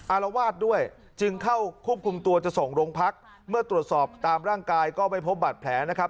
อารวาสด้วยจึงเข้าควบคุมตัวจะส่งโรงพักเมื่อตรวจสอบตามร่างกายก็ไม่พบบาดแผลนะครับ